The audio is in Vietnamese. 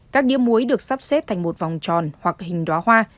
các điếm muối được sắp xếp thành một vòng tròn hoặc hình đoá hoa